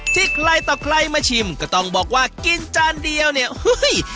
ทิกไล่ต่อไกลมาชิมก็ต้องบอกว่ากินจานเดียวเนี่ยอุ้ย